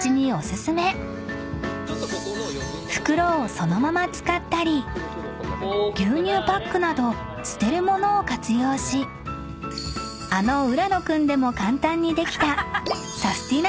［袋をそのまま使ったり牛乳パックなど捨てる物を活用しあの浦野君でも簡単にできたサスティな！